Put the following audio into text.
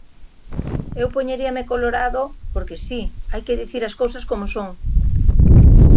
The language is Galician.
Eu poñeríame colorado, porque si, hai que dicir as cousas como son.